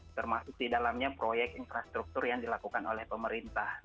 termasuk di dalamnya proyek infrastruktur yang dilakukan oleh pemerintah